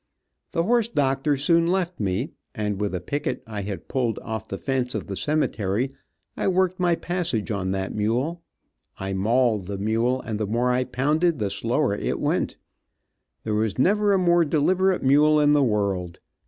The horse doctor soon left me, and with a picket I had pulled off the fence of the cemetery, I worked my passage on that mule. I mauled the mule, and the more I pounded the slower it went. There was never a more deliberate mule in the world.